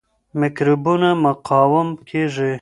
میکروبونه مقاوم کیږي.